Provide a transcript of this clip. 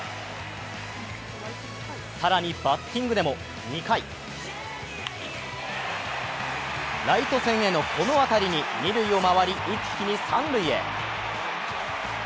更に、バッティングでも２回ライト線へのこの辺りに二塁をまわり一気に三塁へ。